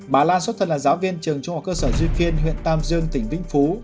bà lan xuất thân là giáo viên trường trung học cơ sở duy kiên huyện tam dương tỉnh vĩnh phú